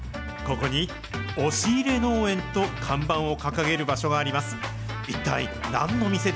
ここに押し入れ農園と看板を掲げる場所があります。